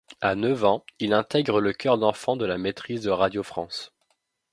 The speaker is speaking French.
À neuf ans, il intègre le chœur d'enfants de la maîtrise de Radio France.